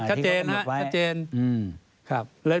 ชัดเจนนะชัดเจน